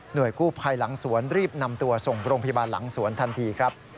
โดยกู้ภัยหลังสวนรีบนำตัวส่งโรงพยาบาลหลังสวนทันทีครับ